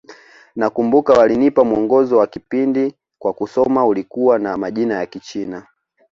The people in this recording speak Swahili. Nakumbuka walinipa mwongozo wa kipindi wa kusoma ulikuwa na majina ya Kichina